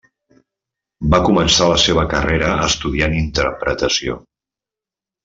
Va començar la seva carrera estudiant interpretació.